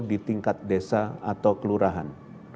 di tingkat desa atau kelurahan